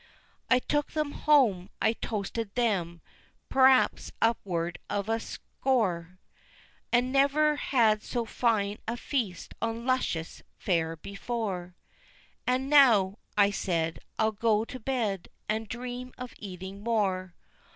"I took them home, I toasted them, p'raps upwards of a score, And never had so fine a feast on luscious fare before, 'And now,' I said, 'I'll go to bed, and dream of eating more.'